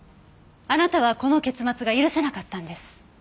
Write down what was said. あなたはこの結末が許せなかったんです。